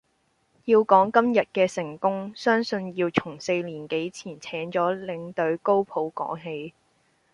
要講今日嘅成功，相信要從四年幾前請咗領隊高普講起。